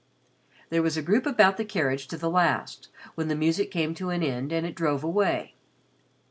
There was a group about the carriage to the last, when the music came to an end and it drove away.